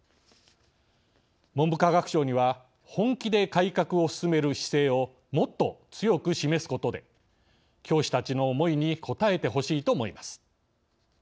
文部科学省には本気で改革を進める姿勢をもっと強く示すことで教師たちの思いに応えてほしいと思います。